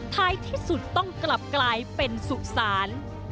ท้ายที่สุดต้องกลับกลายเป็นสุสาน